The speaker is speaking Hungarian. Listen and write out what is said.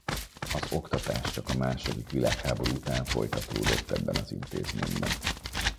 Az oktatás csak a második világháború után folytatódott ebben az intézményben.